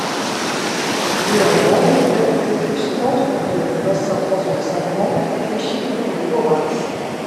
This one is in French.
Idéalement, la tête du fœtus entre dans le bassin transversalement, fléchie contre le thorax.